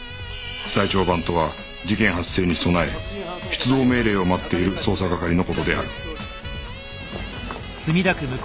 在庁番とは事件発生に備え出動命令を待っている捜査係の事である